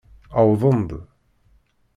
Wwḍen-d.